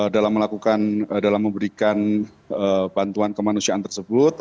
dalam memberikan bantuan kemanusiaan tersebut